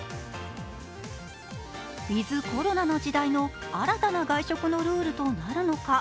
ウィズ・コロナの時代の新たな外食のルールとなるのか。